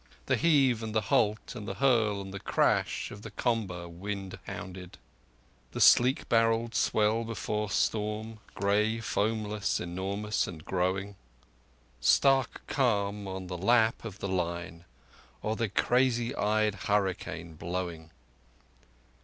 The heave and the halt and the hurl and the crash of the comber wind hounded? The sleek barrelled swell before storm—grey, foamless, enormous, and growing? Stark calm on the lap of the Line—or the crazy eyed hurricane blowing?